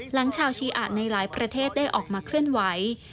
หลังชาวชีอะในหลายประเทศได้ออกมาเคลื่อนไหว